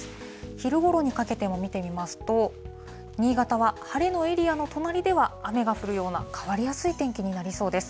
昼ごろにかけても見てみますと、新潟は晴れのエリアの隣では雨が降るような、変わりやすい天気になりそうです。